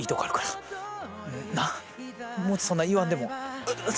なっそんな言わんでも。